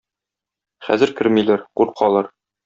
Хәзер кермиләр, куркалар.